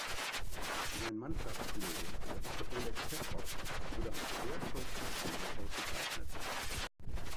Sein Mannschaftskollege, der Russe Oleg Petrow, wurde als wertvollster Spieler ausgezeichnet.